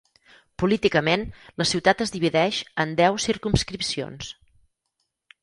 Políticament, la ciutat es divideix en deu circumscripcions.